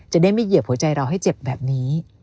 จะได้ไม่เหยียบหัวใจเราให้เจ็บแบบนี้